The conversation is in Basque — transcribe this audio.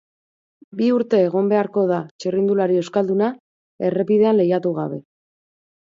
Bi urte egon beharko da txirrindulari euskalduna errepidean lehiatu gabe.